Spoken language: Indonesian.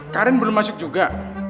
karin belum masuk juga